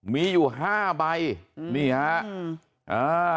มีอยู่๕ใบนี่ฮะ